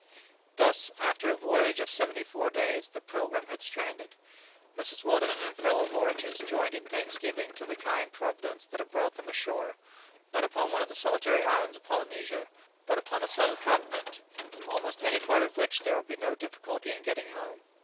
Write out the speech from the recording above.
Thus, after a voyage of seventy four days, the "Pilgrim" had stranded. Mrs. Weldon and her fellow voyagers joined in thanksgiving to the kind Providence that had brought them ashore, not upon one of the solitary islands of Polynesia, but upon a solid continent, from almost any part of which there would be no difficulty in getting home.